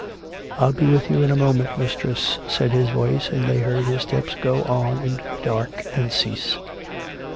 " I'll be with you in a moment, mistress," said his voice ; and they heard his steps go on into the dark and cease.